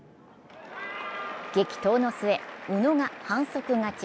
激闘の末、宇野が反則勝ち。